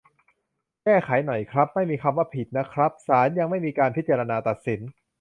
แก้ไขหน่อยครับ ไม่มีคำว่า "ผิด" นะครับ ศาลยังไม่มีการพิจารณาตัดสิน